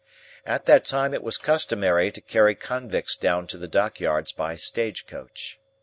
At that time it was customary to carry Convicts down to the dock yards by stage coach.